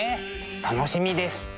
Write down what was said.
楽しみです。